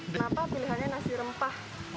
kenapa pilihannya nasi rempah